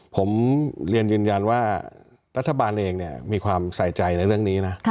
ผมเรียนยืนยันว่ารัฐบาลเองมีความใส่ใจในเรื่องนี้นะ